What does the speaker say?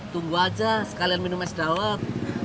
tunggu aja sekalian minum es dawet